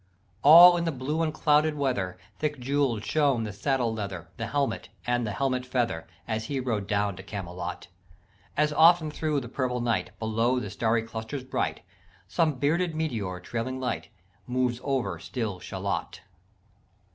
"All in the blue unclouded weather Thick jewelled shone the saddle leather, The helmet and the helmet feather, As he rode down to Camelot. As often thro' the purple night, Below the starry clusters bright, Some bearded meteor, trailing light, Moves over still Shalott.